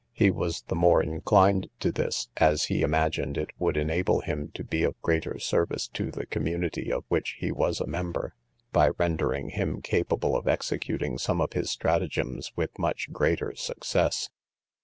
He was the more inclined to this, as he imagined it would enable him to be of greater service to the community of which he was a member, by rendering him capable of executing some of his stratagems with much greater success.